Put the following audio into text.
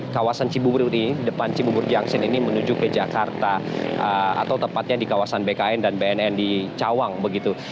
kawasan cibubur ini depan cibubur juangsen ini menuju ke jakarta atau tepatnya di kawasan bkn dan bnn di cawang begitu